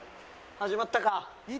始まったか。